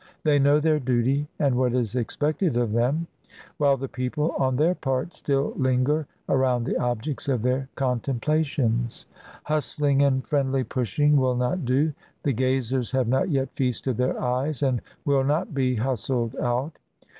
They know their duty and what is expected of them; while the people, on their part, still linger around the objects of their contempla tions. Hustling and friendly pushing will not do — the gazers have not yet feasted their eyes, and will not be hustled out.